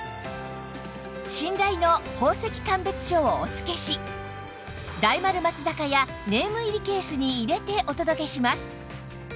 信頼の宝石鑑別書をお付けし大丸松坂屋ネーム入りケースに入れてお届けします